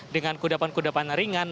dengan kudapan kudapan ringan